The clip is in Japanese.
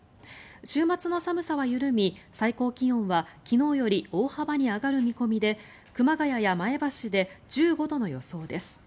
週末の寒さは緩み、最高気温は昨日より大幅に上がる見込みで熊谷や前橋で１５度の予想です。